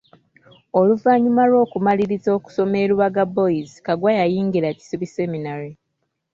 Oluvannyuma lw'okumaliriza okusoma e Lubaga boys Kaggwa yayingira Kisubi Seminary.